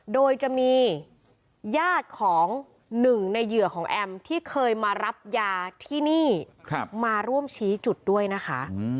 โดยจะมีญาติของหนึ่งในเหยื่อของแอมที่เคยมารับยาที่นี่มาร่วมชี้จุดด้วยนะคะ